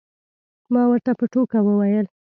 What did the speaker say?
ما ورته په ټوکه وویل.